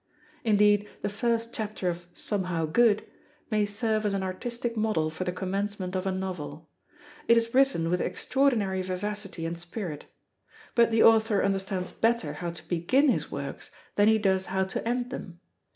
Indeed, the first chapter of Somehow Good may serve as an artistic model for the commencement of a novel. It is written with extraordinary vivacity and spirit. But the author understands better how to begin his works than he does how to end them.